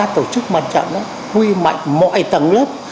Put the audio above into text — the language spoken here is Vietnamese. tổ chức mặt trận huy mạnh mọi tầng lớp